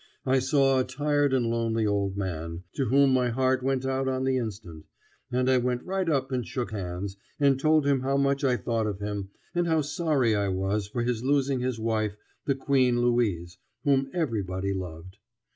I saw a tired and lonely old man, to whom my heart went out on the instant, and I went right up and shook hands, and told him how much I thought of him and how sorry I was for his losing his wife, the Queen Louise, whom everybody loved.